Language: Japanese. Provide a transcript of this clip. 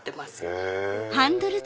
へぇ。